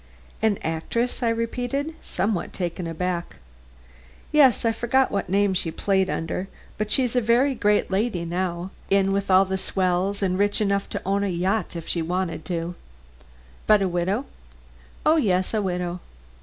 "An actress!" I repeated, somewhat taken aback. "Yes, I forget what name she played under. But she's a very great lady now; in with all the swells and rich enough to own a yacht if she wanted to." "But a widow." "Oh, yes, a widow."